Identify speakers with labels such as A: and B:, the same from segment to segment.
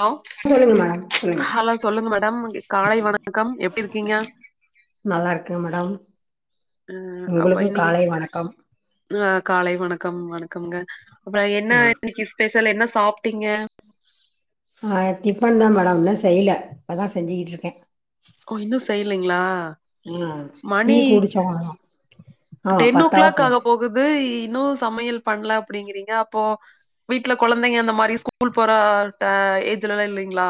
A: Low
B: சொல்லுங்க madam சொல்லுங்க
A: hello சொல்லுங்க மேடம் காலை வணக்கம் எப்டி இருக்கீங்க
B: நல்லாருக்குங் மேடம்
A: அப்ப
B: உங்களுக்கு
A: இன்னைக்கு
B: காலை வணக்கம்
A: அ காலை வணக்கம் வணக்கம்ங்க அப்ற என்ன
B: ம்
A: இன்னைக்கு ஸ்பெஷல் என்ன சாப்ட்டிங்க
B: ஆ டிஃபன்தா மேடம் இன்னு செய்யல இப்பதா செஞ்சுகிட்டு இருக்கே
A: ஓ இன்னு செய்யலலைங்ளா
B: ஆ டீ
A: மணி
B: குடிச்சோம் அவ்ளோதான் ஆ
A: டென் ஓ
B: பத்தாவ
A: கிளாக் ஆக போகுது இன்னு சமையல் பண்ல அப்டிங்கறீங்க அப்போ வீட்ல கொழந்தைங்க அந்த மாரி ஸ்கூல் போற டே ஏஜ்லெல்லா இல்லைங்ளா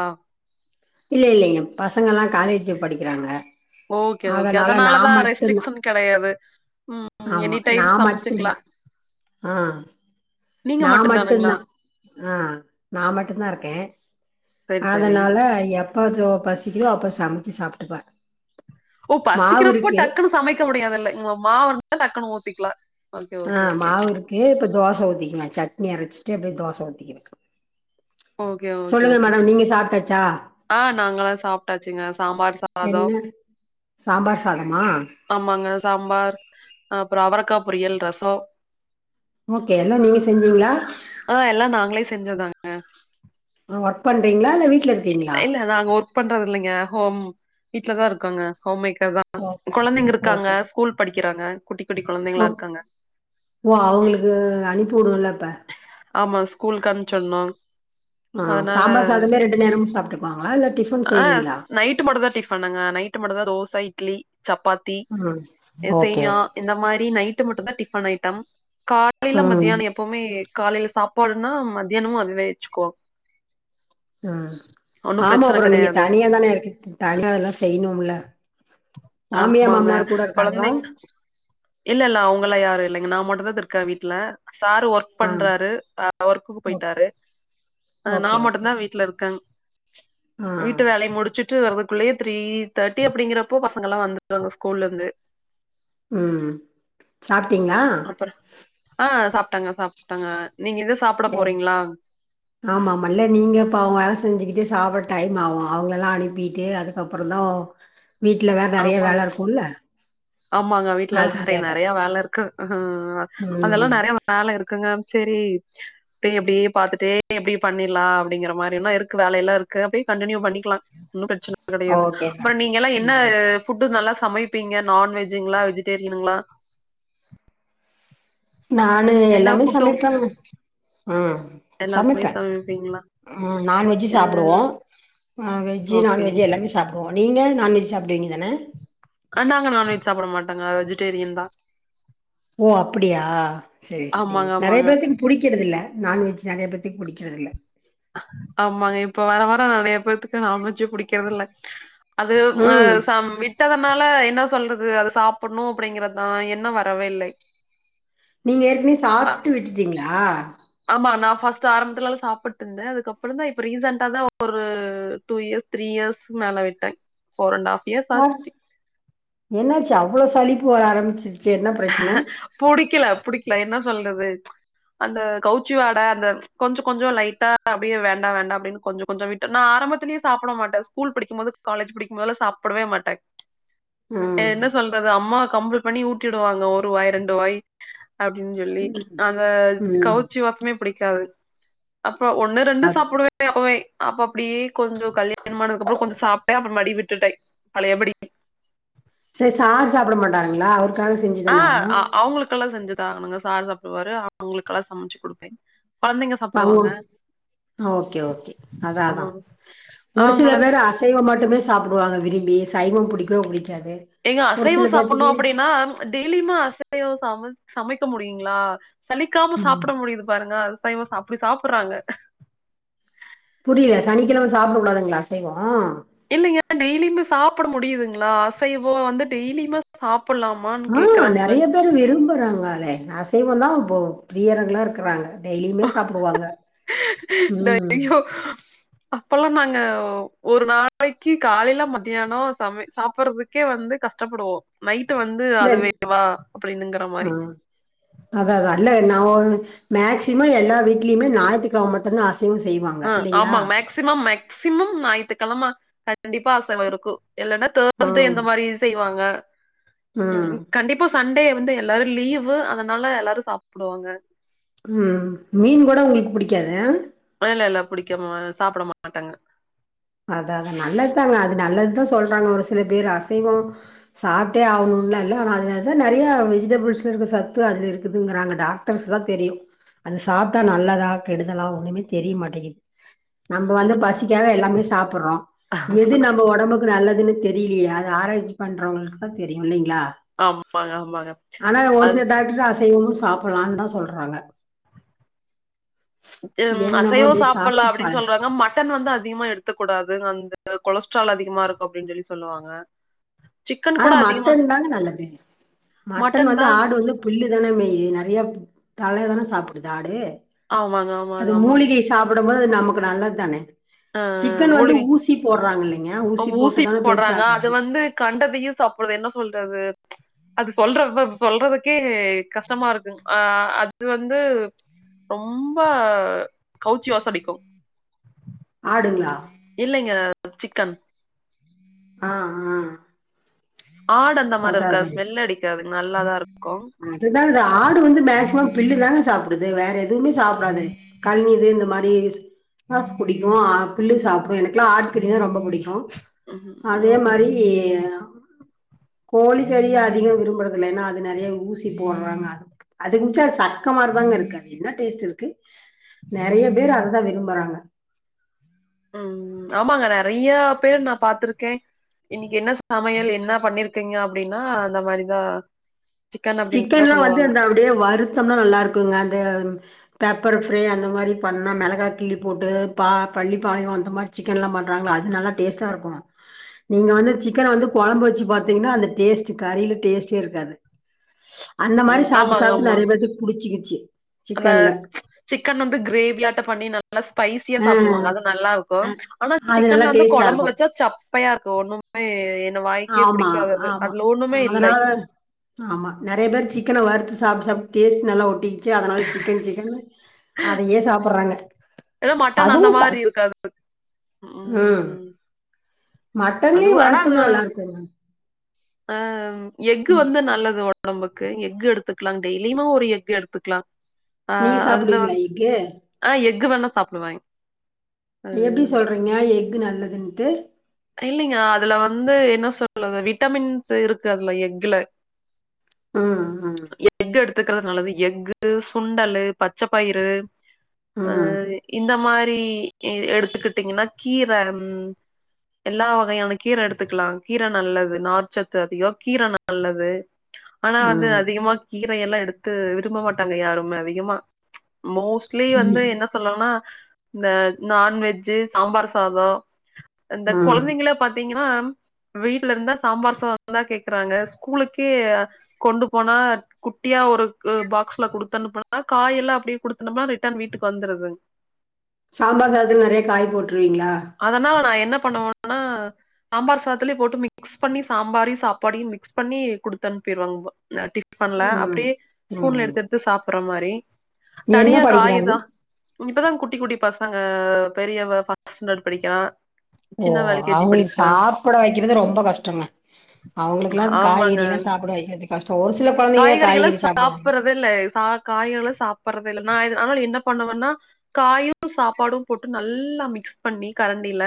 B: இல்ல இல்லைங்க பசங்கள்லா காலேஜ் படிக்கிறாங்க
A: ஓகே ஓகே
B: அதனால
A: அதனாலதா
B: நான் மட்டும்தான்
A: ரெஸ்ட்ரிக்ஷன் கெடையாது ம் எனி
B: ஆமா நா
A: டைம் சமைச்சுக்கலா
B: மட்டுந்தா ஆ
A: நீங்க
B: நா
A: மட்டுந்தானுங்களா
B: மட்டுந்தா ஆ நா மட்டுந்தா இருக்கே
A: சரி சரி
B: அதனால எப்ப தோ பசிக்குதோ அப்ப சமைச்சு சாப்ட்டுப்ப
A: ஓ பசிக்கிறப்போ டக்குன்னு சமைக்க முடியாதுல்ல உ மாவுன்னா டக்குன்னு ஊத்திக்கலா ஓகே
B: ஆ
A: ஓகே ஓகே
B: மாவுருக்கு இப்ப தோச ஊத்திக்குவே சட்னி அரச்சிட்டு அப்டியே தோச ஊத்திக்கிடுவ
A: ஓகே ஓகே
B: சொல்லுங்கள்
A: ஓகே
B: மேடம் நீங்க சாப்ட்டாச்சா
A: ஆ நாங்கள்லா சாப்ட்டாச்சுங்க சாம்பார் ச
B: என்ன சாம்பார் சாதமா
A: ஆமாங்க சாம்பார் அ அப்றோ அவரக்கா பொரியல் ரசோ
B: ஓகே எல்லா நீங்க செஞ்சீங்ளா
A: ஆ எல்லா நாங்களே செஞ்சோதாங்
B: ஆ ஒர்க் பண்றீங்ளா இல்ல வீட்ல இருக்கீங்ளா
A: இல்ல நாங்க ஒர்க் பண்றது இல்லைங்க ஹோம் வீட்ல தா இருக்கோங்க ஹோம் மேக்கர் தா
B: ஓ
A: கொழந்தைங்க இருக்காங்க
B: ஓகே
A: ஸ்கூல் படிக்கிறாங்க குட்டி குட்டி
B: ஓ
A: கொழந்தைங்களா இருக்காங்க
B: ஓ அவுங்களுக்கு அனுப்பி உடனுல்ல அப்ப
A: ஆமா ஸ்கூலுக்கு அம்சொர்னு
B: ஆ சாம்பார் சாதமே ரெண்டு நேரமு சாப்ட்டுக்குவாங்களா இல்ல டிஃபன்
A: ஆ
B: செய்வீங்களா
A: நைட்டு மட்டுதா டிஃபனுங்க நைட்டு மட்டுதா தோச இட்லி சப்பாத்
B: ம்
A: சே
B: ஓகே
A: சேமியா
B: ஓகே
A: இந்த மாரி நைட்டு மட்டுதா டிஃபன் ஐட்டம் காலையில
B: ம்
A: மத்தியானோ எப்பவுமே காலையில சாப்பாடுன்னா மத்தியானமு அதுவே வச்சுக்குவோ
B: ம்
A: ஒன்னும்
B: ஆமா
A: பிரச்சன
B: அப்புறோ நீங்க
A: கெடையாது.
B: தனியா தான இருக்கு தனியா அதெல்லா செய்யணும்ல மாமியா
A: ஆமாங்க.
B: மாமனார் கூட இருக்காங்களா
A: கொழந்தைங்க இல்ல இல்ல அவுங்கள்லா யாரு இல்லைங்க நா மட்டு தா இருக்க வீட்ல சாரு ஒர்க்
B: ஆ
A: பண்றாரு‌ அ ஒர்க்குக்கு
B: ஓ
A: போயிட்டாரு அ நா
B: ஓகே ஓகே
A: மட்டுந்தா வீட்ல இருக்கங்
B: ஆ
A: வீட்டு வேலைய முடிச்சுட்டு வரதுக்குள்ளயே த்ரீ தேர்ட்டி அப்படிங்கறப்போ பசங்கல்லா வந்து வாங்க ஸ்கூல்ல இருந்து
B: ம் சாப்ட்டீங்களா
A: ப்புற ஆ சாப்ட்டாங்க சாப்ட்டங்க நீங்க இது சாப்ட
B: இல்ல
A: போறீங்களா
B: ஆமா ஆமா இல்ல நீங்க இப்ப பாவோ வேல செஞ்சுக்கிட்டு சாப்பட டைம் ஆகு அவங்கள எல்லா அனுப்பிட்டு அதுக்கப்பறோ தா வீட்ல வேற நறைய
A: ஆமா.
B: வேல இருக்குல்ல
A: ஆமாங்க வீட்ல எல்லா
B: அதா
A: நறைய
B: கேட்டே
A: நறைய வேல இருக்கு ம் ம் அதெல்லா நறைய வேல இருக்குங்க சேரி அப்டே அப்டே பாத்துட்டே அப்டே பண்ணிடலா‌ அப்டிங்கிற மாரிலா இருக்கு வேல எல்லா இருக்கு அப்டியே கண்டினியூ பண்ணிக்கலா ஒன்னு பிரச்சன கடையாது
B: ஓகே
A: அப்புறோ
B: மேடம்
A: நீங்க எல்லா என்
B: ம்
A: ன ஃபுட்டு் நல்லா சமைப்பீங்க நான்வெஜுங்களா வெஜிடேரியனுங்களா
B: நானு
A: என்ன
B: எல்லாமே
A: ஃபுட்டு
B: சமைப்பங்க ம் சமைப்ப
A: அப்டீங்ளா
B: ம் நாானவெஜ்ஜு சாப்பிடுவோ வெஜ்ஜு
A: ஓகே
B: நான்வெஜ்ஜு எல்லாருமே சாப்பு ஓ நீங்க நான்வெஜ் சாப்டுவீங்க தான
A: அ நாங்க நான்வெஜ் சாப்பட மாட்டங்க வெஜிடேரியன் தா
B: ஓ அப்பிடியா செரி செரி
A: ஆமாங்க
B: நறையா
A: ஆமாங்க
B: பேத்துக்கு புடிக்கிறதுதில்ல நான்வெஜ் நறைய பேத்துக்கு புடிக்கறதுதில்ல
A: ஆமாங்க இப்ப வர வர நறைய பேத்துக்கு நான்வெஜ்ஜே புடிக்கிறதில்ல அது ஆ
B: ம்
A: சம் வீ விட்டதுனால என்ன சொல்றது அத சாப்பட்ணு அப்பிடிங்கறதான் எண்ணொ வரவே இல்ல
B: நீங்க ஏற்கனவே சாப்ட்டு விட்டுட்டீங்களா
A: ஆமா நா ஃபஸ்ட்டு ஆரம்பத்துலலா சாப்புட்ருந்த அதுக்கப்புறம் தா இப்ப ரீசன்ட்டா தா ஒரு டூ இயர்ஸ் த்ரி இயர்ஸ்க்கு மேல ஆய்ட்டு ஃபோர் அண்ட ஹாஃப் இயர்ஸ்
B: நா
A: ஆச்சு
B: என்னாச்சு அவ்ளோ சளிப்பு வர ஆரம்பிச்சிருச்சு என்ன ப்ரச்சன
A: புடிக்கல புடிக்கல என்ன சொல்றது அந்த கவுச்சி வாட அந்த கொஞ்சோ கொஞ்சோ லைட்டா அப்டியே வேண்டா வேண்டா அப்டின்னு கொஞ்சோ கொஞ்சோ விட் நா ஆரம்பத்துலயே சாப்பட மாட்ட ஸ்கூல் படிக்கும் போது காலேஜ் படிக்கும்போதெல்லா சாப்படவே மாட்ட அ
B: ம்
A: என்ன சொல்றது அம்மா கம்பள் பண்ணி ஊட் ஊட்டி உடுவாங்க ஒரு வாய் ரெண்டு வாய் அப்டின்னு சொல்லி
B: ம்
A: அந்த
B: ம்
A: கவுச்சி வாசமே புடிக்கா டாவு அப்பறோ ஒண்ணு ரெண்டு
B: அது
A: சாப்புடுவே து அப்பவேய் அப்ப அப்டியே கொஞ்சோ கல்யாணொம் ஆனதுக்கப்பறோ கொஞ்சோ சாப்டே அப்பறோ மடி விட்டுட்டெய் பழைய படி
B: சேரி சார் சாப்பட மாட்டாங்களா அவருக்காது
A: ஆ அவுங்களுக்கெல்லா செஞ்சி தாரேனுங்க சார் சாப்டுவாரு அவுங்களுக்கெல்லா சமைச்சி குடுப்பே கொழந்தைங்க சாப்டுவாங்க
B: ஆ ஓகே ஓகே அதா அதா
A: ம்
B: ஒரு சில
A: அவங்கள
B: பேரு ஆசி அசைவோ மட்டுமே சாப்புடுவங்க விரும்பி சைவோ பிடிக்க புடிக்காது
A: எங்க
B: ஒரு
A: அசைவோ
B: சில
A: சாப்புட்னோ
B: பேத்துக்கு
A: அப்டின்னா டெய்லியுமாே அசைவம் சமை சமைக்க முடியுங்ளா சலிக்காம
B: ம்
A: சாப்ட முடியுது பாருங்க அசைவோ அப்டி சாப்புட்றாங்க
B: புரியல சனிக்கெழம சாப்ட கூடாதுங்ளா அசைவோ
A: இல்லைங்கா டெய்லிமே சாப்புட முடியுதுங்ளா அசைவோ வந்து டெய்லிமே சாப்புட்லாம்
B: ஆ நறைய பேரு விரும்புறாங்களே அத அசைவோ தா இப்ப பிரியர்களா இருக்குறாங்க டெய்லியுமே சாப்புடுவாங்க ம்
A: ஐயோ அப்பல்லா நாங்க ஒரு நாளைக்கு காலையில மத்தியானோ சமை சாப்புட்றதுக் க்கே வந்து கஷ்டப்படுவோ நைட்டு வந்து
B: இல்ல
A: அதுவேவா அப்டின்னுங்கிற
B: ஆ
A: மாரி
B: அதா அதா இல்ல நா ஒன் மேக்சிமோ எல்லா வீட்லயுமே ஞாயித்திக்கெழம மட்டும்தா அசை அசைவம் செய்வாங்
A: ஆ ஆமா மேக்சிமம் மேக்சிமம் ஞாயித்திகெழம கண்டிப்பா அசைவோ இருக்கோ இல்லனா தேர்ஸ்டே
B: ம்
A: இந்த மாரி செய்வாங்க ம் கண்டிப்பா சண்டே வந்து எல்லாரோ லீவு அதனால எல்லாரோ சாப்புடுவாங்க
B: ம் மீன் கூடோ உங்களுக்கு புடிக்காது
A: அதெல்லா எல்லா புடிக்காம சாப்ட மாட்டாங்க
B: அதா அதா நல்லத்தாங்க அது நல்லத்தா சொல்றாங்க ஒரு சில பேர் அசைவோ சாப்டே ஆகணும்லா இல்ல ஆனா அதுலதா நறையா வெஜிடபிள்ஸில இருக்குற சத்து அதுல இருக்குதுங்கறாங்க டாக் டர்ஸ் தா தெரியு அது சாப்டா நல்லதா கெடுதலா ஒன்னிமே தெரிய மாட்டேங்கிது நம்ம வந்து பசிக்காக எல்லாமே சாப்புட்றோ எது நம் நம்ம ஒடம்புக்கு நல்லதுன்னு தெரியலையே அது ஆராய்ச்சி பண்றவங்களுக்கு தா தெரியோ இல்லைங்களா
A: ஆமாங்க ஆமாங்க
B: ஆனா ஒரு
A: அது
B: சில டாக்டர் அசைவமும் சாப்புட்லான்னு தா சொல்றாங்க
A: இதும்
B: என்னமோ
A: அசைவோ
B: அப்டியே
A: சாப்புட்லா
B: சாப்ட்டு பழ
A: அப்டின்னு சொல்றாங்க மட் டன் வந்து அதிகமா எடுத்துக்க கூடாது அந்த கொலஸ்ட்ரால் அதிகமா இருக்கோ அப்டின்னு சொல்லி சொல்லுவாங்க சிக்கன்
B: ஆனா
A: கூட அதிகமா
B: மட்டன் தானே நல்லது மட்டன் வந்து ஆடு வந்து புல்லு தானே மேய்யிது நறைய தலைய தானே சாப்புடுது ஆடு
A: ஆமாங்க ஆமாங்க
B: அது
A: ஆமாங்க
B: மூலிகை சாப்புடும் போது அது நமக்கு நல்லத் தானே
A: ஆ
B: சிக்கன் வந்து
A: மூலிகை
B: ஊசி போறாங்க இல்லைங்க
A: அ
B: ஊசி போட்டுதானே
A: போடுறாங்க அது
B: பெருசாக்குறாங்க
A: வந்து கண்டதையு சாப்புடுது என்ன சொல்றது அது சொல்ற அப்ப சொல்றதுக்கே கஷ்டமா இருக்குங் ஆ அது வந்து ரொம்ப கவுச்சி வாசோ அடிக்கோ
B: ஆடுங்ளா
A: இல்லைங்க சிக்கன்
B: ஆ ஆ
A: ஆடு அந்த மாரி
B: அதா
A: இருக்காது
B: அதாங்க
A: ஸ்மெல் அடிக்காதுங்க நல்லாதா இருக்கோ
B: அது தாங்க ஆடு வந்து மேக்சிமம் பில்லு தாங்க சாப்புடுது வேற எதுவுமே சாப்டாதே கழிநிறு இந்த மாரி கா புடிக்கோ ஆ புல்லு சாப்டோ எனக்குல்லா ஆட்கறிதா ரொம்ப புடிக்கோ அதே
A: ம்
B: மாரி கோழிக்கறிய அதிகை விரும்புறதுல்ல ஏன்னா அது நேறைய ஊசி போட்றாங்க அது அதுக்கு மிச்சோ சக்க மாரி தாங்க இருக்கு ஆது என்ன டேஸ்ட் இருக்கு நெறைய பேரு அததா விரும்பறாங்க
A: ம் ஆமாங்க நெறைய்யா பேரு நா பாத்திருக்கே இன்னிகி என்னச் சமையல் என்ன பண்ணிருக்கீங்க அப்டின்னா அந்த மாரிதா சிக்கன் அப்டின்தா
B: சிக்கன்லா வந்து
A: சொல்லுவாங்க
B: அந்த அப்டியே வருத்தம்னா நல்லா இருக்குங்க அந்த பேப்பர் ஃப்ரே அந்த மாரிப் பண்ணா மெளகா கிள்ளி போட்டு பா பள்ளிப்பாளையோ அந்த மாரி சிக்கன்லாம் பண்றாங்ளா அது நல்லா டேஸ்ட்டா இருக்கு நீங்க வந்து சிக்கன வந்து கொழம்பு வெச்சு பாத்தீங்கனா அந்த டேஸ்ட்டு கறில டேஸ்ட்டே இருக்காது அந்த மாரி
A: ம்
B: சாப்ட்டு
A: ஆமாங்க
B: சாப்ட்டு
A: ஆமா
B: நெறைய பேத்துக் புடிச்சிகிச்சி
A: அந்த சிக்கன் வந்து கிரேவியாட்டப் பண்ணி நல் நல்லா ஸ்பைசியா
B: ஆ
A: சாப்டுவாங்க அது நல்லாக்கு
B: அ
A: ஆனா
B: அது நல்லா
A: சிக்கன்ல வந்து
B: டேஸ்ட்டா
A: கொழம்பு
B: இருக்கு
A: வெச்சா சப்பையாருக்கு ஒன்னும் மே என்னு வாய்க்கே
B: ஆமா
A: பிடிக்காதது
B: ஆமா
A: அதுல ஒன்னுமே இல்லை
B: அதனால ஆமா நெறைய பேரு சிக்கன வறுத்து சாப்ட்டு சாப் டேஸ்ட் நல்லா ஒட்டிகிச்சி அதனால சிக்கன் சிக்கன்னு அதையே சாப்பர்றாங்க
A: ஏதோ மட்டன் அந்த
B: அதுவு ச
A: மாரி இருக்காது
B: ம் மட்டன்லியே
A: அதுவு
B: வறுத்தம் நல்லாருக்குங்க
A: அ எஃகு
B: ம்
A: வந்து நல்லது ஒடம்புக்கு எஃகு எடுத்துக்லாங் டெய்லியுமா ஒரு எஃகு எடுத்துக்லா ஆ
B: நீங்க
A: அதுல வந்
B: சாப்டுவீங்களா எக்கு
A: அ எஃகு வேணா சாப்டுவாய்ங்
B: எப்டி சொல்றீங்க எஃகு நல்லதுன்ட்டு
A: இல்லிங்க அதுல வந்து என்ன சொல்லது விட்டமின்ஸு இருக்கு அதுல எஃக்குல
B: ம் ம்
A: எஃகு எடுத்துகிறது நல்லது எஃகு சுண்டலு பச்சப்பயிறு அ
B: ம்
A: இந்த மாரி எடுத்துகிட்டீங்கன்னா கீர ம் எல்லா வகையான கீர எடுத்துக்கலாங் கீர நல்லது நார்ச்சத்து அதிகோ கீர நல்லது ஆனா வந்து
B: ம்
A: அதிகமா கீரயெல்லா எடுத்து விரும்ப மாட்டாங்க யாருமே அதிகமா மோஸ்ட்லி
B: ம்
A: வந்து என்னச் சொல்லோனா இந்த நான்வெஜ்ஜூ சாம்பார் சாதோ இந்தக்
B: ம்.
A: கொழந்தைங்களப் பாத்தீங்கனா வீட்ல இருந்தா சாம்பார் சாதந்தா கேக்றாங்க ஸ்கூலுக்கே கொண்டு போனா குட்டியா ஒருக்கு பாக்ஸ்ல குடுத்தனுப்பனா காய் எல்லா அப்டியே குடுத்தனுப்னா ரிட்டர்ன் வீட்டுக் வந்துருதுங்
B: சாம்பார் சாதத்ல நெறைய காய் போட்ருவீங்ளா
A: அதனால நா என்ன பண்ணுவோனா சாம்பார் சாதத்லியேப் போட்டு மிக்ஸ் பண்ணி சாம்பாரியு சாப்பாடியு மிக்ஸ் பண்ணி குடுத்தன்ப்பிருவங்வ ந டிப் பண்ல
B: ம்
A: அப்டியே ஸ்பூன்ல
B: ம்
A: எடுத்து எடுத்து சாப்பிற மாரி
B: என்ன
A: தனியாக்
B: படிக்கிறாங்க
A: காயிதா இப்பதாங் குட்டி குட்டி பசங்க பெரியவ ஃபர்ஸ்ட் ஸ்டாண்டடு படிக்கிறா
B: ஓ
A: சின்னவ எல் கே ஜி
B: அவுங்கிளுக்
A: படிக்கிறாங்
B: சாப்பட வெக்கிறது ரொம்ப கஷ்டங்க அவுங்ளுக்லா
A: ஆமாங்க
B: காய்கறியிலா சாப்ட வெக்கிறது கஷ்டோ ஒரு சில கொழந்தைங்க காய்கறி சாப்
A: சாப்பறதெல்ல ச காய்கள சாப்பறதெல்ல நா இது ஆனாலு என்னப் பண்ணுவன்னா காயு சாப்பாடும் போட்டு நல்லா மிக்ஸ் பண்ணி கரண்டில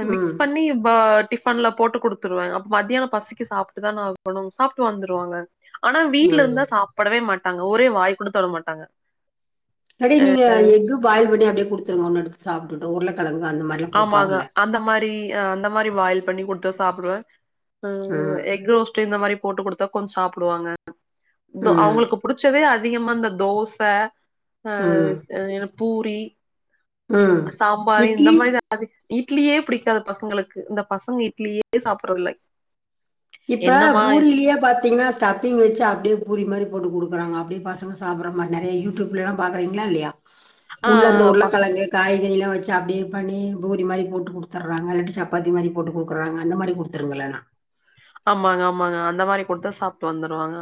A: அ
B: ம்
A: மிக்ஸ் பண்ணி பா டிஃப் ஃபன்லப் போட்டு குடுத்துருவே அப்ப மத்தியானப் பசிக்கு சாப்ட்டுதானா ஆகணு சாப்ட்டு வந்துருவாங்க ஆனா
B: ம்
A: வீட்லருந்தா சாப்படவே மாட்டாங்க ஒரே வாய் குடுத்தாலும் மாட்டாங்க
B: கடேய் நீங்க எஃக்கு பாயில் பண்ணி அப்டியே குடுத்துருங்க ஒன்னு எடுத்து சாப்டுட்டு உருளக்கெழங்கு அந்த மாரி
A: ஆமாங்க அந்த மாரி அ அந்த மாரி பாயில் பண்ணி குடுத்தா சாப்டுவே அ
B: ம்
A: எஃக்கு ரோஸ்ட்டு இந்த மாரி போட்டு குடுத்தா கொஞ் சாப்டுவாங்க தோ
B: ம்
A: அவுங்குளுக்குப் புடிச்சதே அதிகமா இந்த தோச அ
B: ம்
A: அ பூரி
B: ம்
A: அ சாம்பாரு இந்த
B: இட்லி
A: மாரிதா அது இட்லியே புடிக்காது பசங்களுக்கு இந்த பசங்க இட்லியே சாப்பட்றதில்லை
B: இப்ப பூரிலியே பாத்தீங்ன்னா ஸ்டஃப்பிங் வெச்சு அப்டியே பூரி மாரி போட்டு குடுக்கறாங்க அப்டியே பசங்க சாப்பட்ற மார் நெறைய யூடியூப்லல்லா பாக்கறீங்ளா இல்லயா
A: ஆ
B: உள்ள இந்த உருளக்கெழங்கு, காய்கறில்லா வெச்சு அப்டியே பண்ணி பூரி மாரி போட்டு குடுத்தட்றாங்க இல்லாட்டி சப்பாத்தி மாரி போட்டு குடுக்கறாங்க அந்த மாரி குடு த்திருங்க இல்லனே
A: ஆமாங்க ஆமாங்க அந்த மாரி குடுத்தா சாப்ட்டு வந்துருவாங்க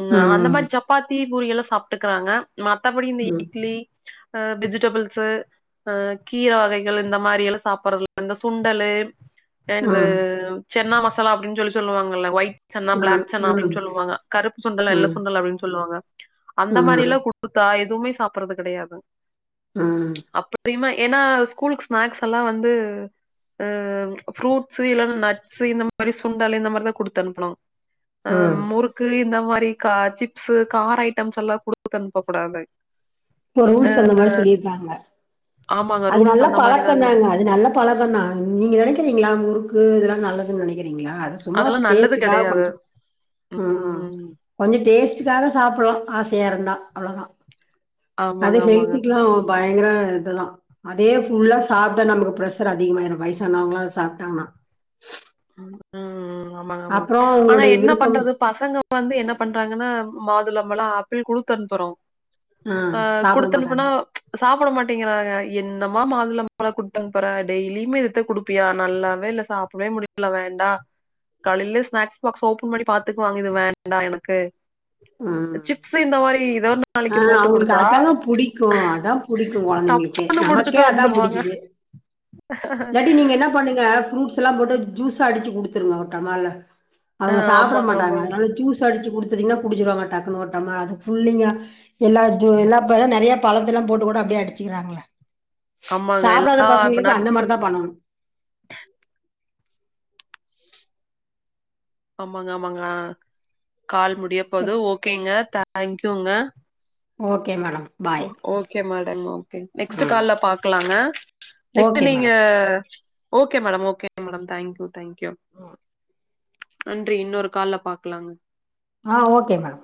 A: ம் அந்த மாரி சப் சப்பாத்தி பூரிய எல்லா சாப்புட்டுக்கிறாங்க மத்தபடி இந்த
B: ம்
A: இட்லி அ வெஜிடபிள்ஸூ அ கீர வகைகள் இந்த மாரி எல்லா சாப்புறது இந்த சுண்டலு தேனுவ
B: ம்
A: சென்னா மசாலா அப்டின்னு சொல்லி சொல்லுவாங்கல்ல ஒயிட் சன்னா
B: ம்
A: பிளாக் சன்னா
B: ம்
A: அப்டினு சொல்லுவாங்க கருப்பு சுண்டல் வெல்ல
B: ம்
A: சுண்டல் அப்டினு சொல்லுவாங்க அந்த
B: ம்
A: மாரில்லா குத்தா எதுவுமே சாப்புற்றது கடையாது
B: ம்
A: அப்தியமா ஏன்னா ஸ்கூலுக்கு ஸ்நாக்ஸ் எல்லா வந்து அ அம் ஃப்ரூட்ஸ் இல்லனா நட்ஸ் இந்த மாரி சுண்டல் இந்த மாரிதா குடுத்த அனுப்பனு
B: உ
A: க்கு இந்த மாரி கா சிப்ஸ்ஸு கார ஐட்டம்ஸ்ல்லா குடுத்தனுப்ப கூடாது
B: இப்ப ரூல்ஸ் அந்த மாரி சொல்லியிருக்காங்க
A: ஆமாங்க.
B: அது
A: ரூல்ஸ்
B: நல்லா
A: அந்த மாரி தாங்க.
B: பழக்கந்தாங்க இது நல்ல பழக்கந்தா நீங்க நெனைக்கிறீங்ளா முறுக்கு இதெல்லா நல்லதுன் நெனைக்கிறீங்ளா அது சும்மா
A: அதெல்லாம் நல்லது
B: டேஸ்ட்டுக்காக
A: கெடையாது.
B: கொஞ்சோ ம் ஹூம் கொஞ்சொ டேஸ்டுகாக சாப்பட்லா ஆசையா இருந்தா அவ்ளதா
A: ஆமாங்க,
B: அது
A: ஆமாங்க.
B: ஹெல்த்திக்கில்லா பயங்கர இதுதா அதே ஃபுல்லா சாப்ட்டா நமக்கு ப்ரெஷர் அதிகமாயிரு வயசானவங்களா அத சாப்ட்டாங்ன்னா
A: ம் ம் ம் ஆமாங்க ஆமாங் ஆனா
B: உங்களுடைய
A: என்ன
B: விருப்பம்
A: பண்றது பசங்க இப்ப வந்து என்ன பண்றாங்கனா மாதுளம்பழோ ஆப்பிள் குடுத்து அனுப்புறோ ஆ
B: சாப்ட
A: குடுத்துனுப்புனா
B: மாட்டாங்க
A: சாப்ட மாட்டேங்கிறாங்க என்னமா மாதுள பழ குடுத்தனுப்புற டெய்லியுமே இதுத்தா குடுப்பியா நல்லாவே இல்ல சாப்பிடவே முடிய இல்ல வேண்டா காலை ஸ்நாக்ஸ் பாக்ஸ் ஓபன் பண்ணி பாத்துக்குவாங்க இது வேண்டா எனக்கு
B: ம்
A: ஜிப்ஸ் இந்த மாரி ஏதோ
B: ஆ
A: நாளைக்கு போட்டு
B: அவங்களுக்கு
A: குடுத்தா
B: அதாங்க புடிக்கு அதா புடிக்கு கொழந்தைங்களுக்கு
A: தப்புனு
B: நமக்கே
A: முடிசிட்டு
B: அதா
A: வந்துருவாங்க
B: புடிக்குது இல்லாட்டி நீங்க என்ன பண்ணுங்க ஃப்ரூட்ஸ் எல்லா போட்டு ஜூஸா அடுச்சு குடுத்துருங்க ஒரு டம்மால
A: அ
B: அவ்ங்க சாப்பட
A: ஆமாங்க,
B: மாட்டாங்க
A: ஆமாங்க.
B: அதனால ஜூசா அடிச்சி குடுத்திங்கன்னா குடிச்சிடுவாங்க டக்குனு ஓரு டம்ளராது அது ஃபுல்லிங்கா எல்லா ஜு எல்லா நெறைய பழத்த எல்லா போட்டு கூட அப்டியே அடிச்சுக்குறாங்களே
A: ஆமாங்க.
B: சாப்டாத
A: எல்லா இப்ப
B: பசங்களுக்கு
A: நட்ஸ்
B: அந்த மாரி தா பண்ணணு
A: ஆமாங் ஆமாங்க ஆ கால் முடிய
B: சரி
A: போது ஓகேங்க தேங்க்யூங்க
B: okay madam bye
A: okay madam okay next
B: ம்
A: கால்ல பாக்லாங்க நெக்ஸ்ட்
B: ஓகே
A: நீங்க
B: madam
A: okay madam okay madam thank you thank you க்யூம் நன்றி இன்னொரு கால்ல பாக்கலாங்
B: ஆ ஓகே மேம்